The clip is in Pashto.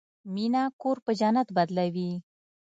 مینه کور په جنت بدلوي.